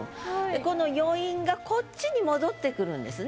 この余韻がこっちに戻ってくるんですね。